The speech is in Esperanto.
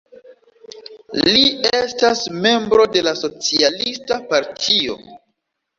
Li estas membro de la Socialista Partio.